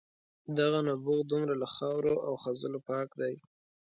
دغه نبوغ دومره له خاورو او خځلو پاک دی.